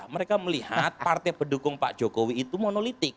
mereka melihat partai pendukung pak jokowi itu monolitik